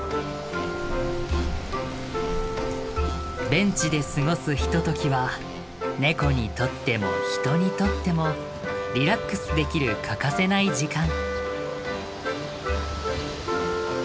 ベンチで過ごすひとときはネコにとっても人にとってもリラックスできる欠かせない時間。